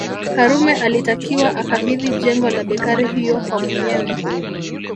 Karume alitakiwa akabidhi jengo la bekari hiyo kwa mwenyewe